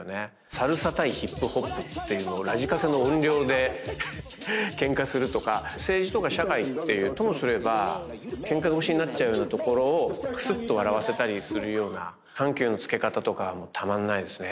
サルサ対ヒップホップっていうのをラジカセの音量でけんかするとか政治とか社会っていうともすればけんか腰になっちゃうようなところをクスッと笑わせたりするような緩急の付け方とかもうたまんないですね